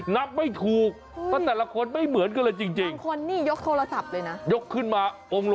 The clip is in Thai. นับไม่ถูกเพราะแต่ละคนไม่เหมือนกันเลยจริง